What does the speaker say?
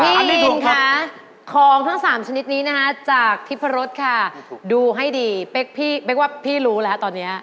พี่อินค่ะของทั้ง๓ชนิดนี้นะคะจากทิพรรดค่ะดูให้ดีเป็กว่าพี่รู้แล้วตอนนี้